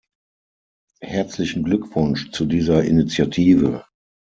Herzlichen Glückwunsch zu dieser Initiative!